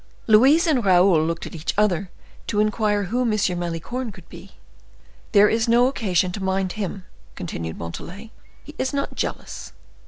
Louise and Raoul looked at each other to inquire who M. Malicorne could be. "There is no occasion to mind him," continued Montalais; "he is not jealous."